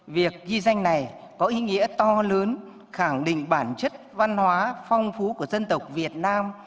việc ghi danh này có ý nghĩa to lớn khẳng định bản chất văn hóa phong phú của dân tộc việt nam